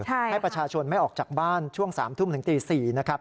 ให้ประชาชนไม่ออกจากบ้านช่วง๓ทุ่มถึงตี๔นะครับ